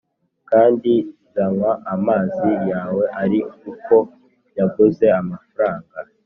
kandi nzanywa amazi yawe ari uko nyaguze amafaranga.